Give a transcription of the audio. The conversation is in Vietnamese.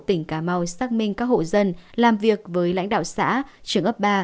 tỉnh cà mau xác minh các hộ dân làm việc với lãnh đạo xã trường ấp ba